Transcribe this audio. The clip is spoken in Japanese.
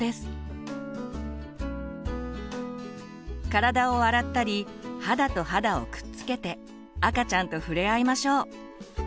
体を洗ったり肌と肌をくっつけて赤ちゃんと触れ合いましょう。